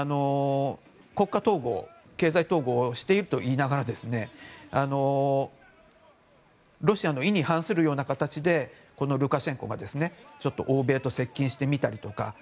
国家統合、経済統合していると言いながらロシアの意に反するような形でルカシェンコが欧米と接近してみたりとか。